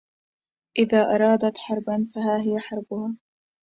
إن أرادت حربا، فها هي حربها.